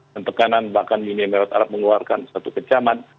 dan tekanan bahkan united arab mengeluarkan satu kecaman